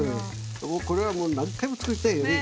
これはもう何回も作ったよね。